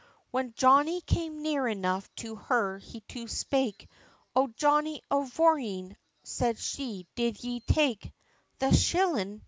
When Johnnie came near enough to her to spake, "O Johnnie Avourneen!" said she, "did ye take The shillin'?"